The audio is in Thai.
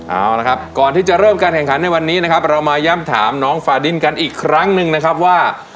เอาละครับก่อนที่จะเริ่มการแข่งขันในวันนี้นะครับเรามาย่ำถามน้องฟาดินกันอีกครั้งหนึ่งนะครับว่า